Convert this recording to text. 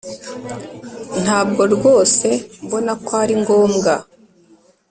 Ntabwo rwose mbona ko ari ngombwa